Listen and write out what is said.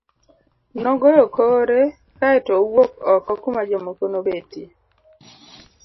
Nogoyo kore kae to owuok oko kuma jomoko nobetie.